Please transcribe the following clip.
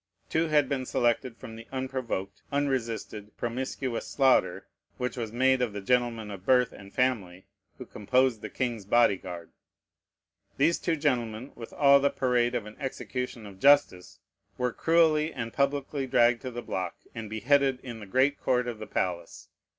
Two had been selected from the unprovoked, unresisted, promiscuous slaughter which was made of the gentlemen of birth and family who composed the king's body guard. These two gentlemen, with all the parade of an execution of justice, were cruelly and publicly dragged to the block, and beheaded in the great court of the palace.